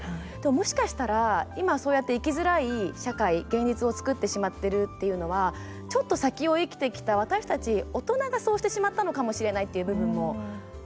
もしかしたら、今、そうやって生きづらい社会、現実を作ってしまってるっていうのはちょっと先を生きてきた私たち大人がそうしてしまったのかもしれないっていう部分もありますよね。